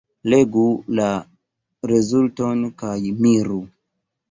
Legu la rezulton kaj miru.